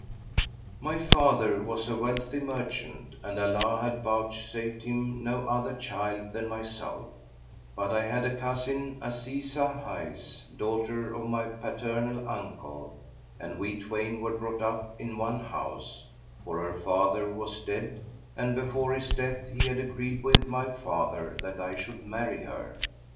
[FN#482] My father was a wealthy merchant and Allah had vouchsafed him no other child than myself; but I had a cousin, Azízah hight, daughter of my paternal uncle and we twain were brought up in one house; for her father was dead and before his death, he had agreed with my father that I should marry her.